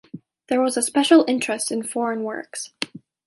There was a special interest in foreign works.